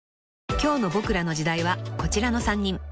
［今日の『ボクらの時代』はこちらの３人］